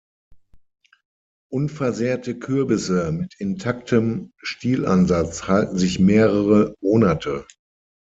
Unversehrte Kürbisse mit intaktem Stielansatz halten sich mehrere Monate.